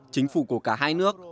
chính phủ của cả hai nước